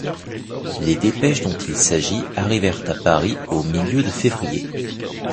Les dépêches dont il s'agit arrivèrent à Paris au milieu de février.